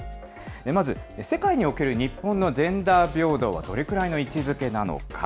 まず、世界における日本のジェンダー平等は、どれくらいの位置づけなのか。